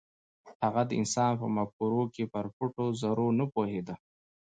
هغه د انسان په مفکورو کې پر پټو زرو نه پوهېده.